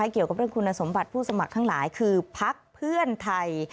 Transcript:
เกี่ยวกับเรื่องคุณสมบัติผู้สมัครทั้งหลายคือพักเพื่อนไทย